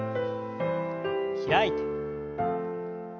開いて。